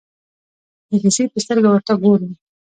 د کیسې په سترګه ورته ګورو.